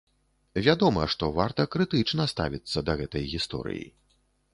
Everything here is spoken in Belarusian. Вядома, што варта крытычна ставіцца да гэтай гісторыі.